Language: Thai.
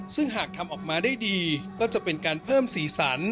ซึ่งหากทำออกมาได้ดีก็จะเป็นการเพิ่มสีสัน